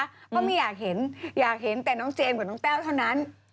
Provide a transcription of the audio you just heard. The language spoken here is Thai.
เพราะไม่อยากเห็นอยากเห็นแต่น้องเจมส์กับน้องแต้วเท่านั้น